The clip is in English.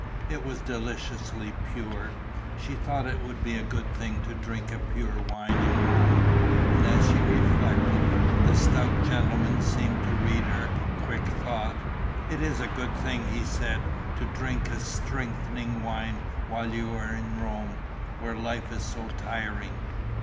It was deliciously pure. She thought that it would be a good thing to drink a pure wine in Rome; and, as she reflected, the stout gentleman seemed to read her quick thought: "It is a good thing," he said, "to drink a strengthening wine while you are in Rome, where life is so tiring."